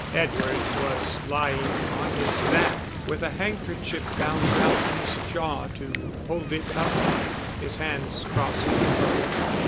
Edward was lying on his back, with a handkerchief bound round his jaw to hold it up, his hands crossed in front.